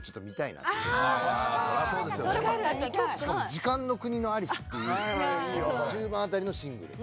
『時間の国のアリス』っていう中盤あたりのシングル。